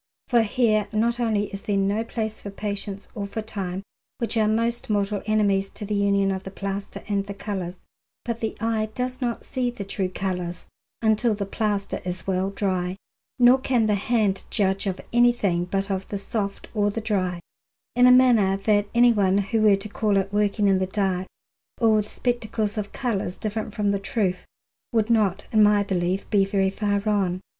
For here not only is there no place for patience or for time, which are most mortal enemies to the union of the plaster and the colours, but the eye does not see the true colours until the plaster is well dry, nor can the hand judge of anything but of the soft or the dry, in a manner that anyone who were to call it working in the dark, or with spectacles of colours different from the truth, would not in my belief be very far wrong.